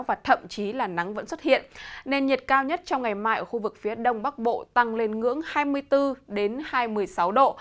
và thậm chí là nắng vẫn xuất hiện nên nhiệt cao nhất trong ngày mai ở khu vực phía đông bắc bộ tăng lên ngưỡng hai mươi bốn hai mươi sáu độ